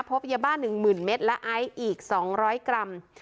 พบยาบ้านหนึ่งหมื่นเมตรและไอ้อีกสองร้อยกรัม